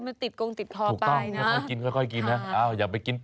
เอากล้วยทำอย่างนี้